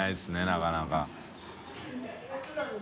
なかなか。